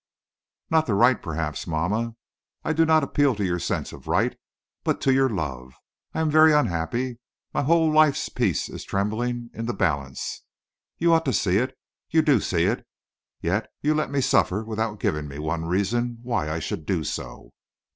"Not the right, perhaps, mamma. I do not appeal to your sense of right, but to your love. I am very unhappy. My whole life's peace is trembling in the balance. You ought to see it you do see it yet you let me suffer without giving me one reason why I should do so."